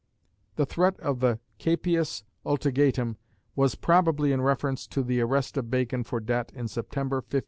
The threat of the capias ultegatum was probably in reference to the arrest of Bacon for debt in September, 1593.